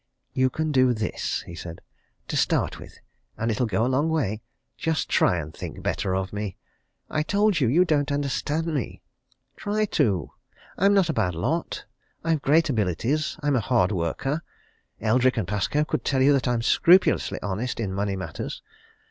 "You can do this," he said. "To start with and it'll go a long way just try and think better of me. I told you, you don't understand me. Try to! I'm not a bad lot. I've great abilities. I'm a hard worker. Eldrick & Pascoe could tell you that I'm scrupulously honest in money matters.